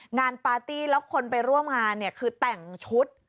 งานปาร์ตี้แล้วคนไปร่วมงานเนี่ยคือแต่งชุด